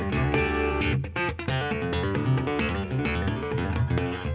ก่อนที่จะรับมาน่ะ